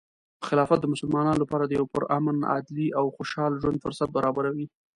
خلافت د مسلمانانو لپاره د یو پرامن، عدلي، او خوشحال ژوند فرصت برابروي.